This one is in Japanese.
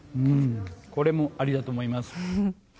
これもありだと思います。